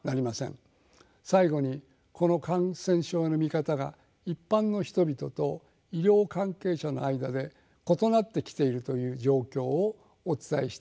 最後にこの感染症の見方が一般の人々と医療関係者の間で異なってきているという状況をお伝えしておきたいと思います。